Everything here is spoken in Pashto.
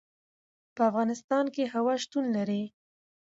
په افغانستان کې هوا شتون لري.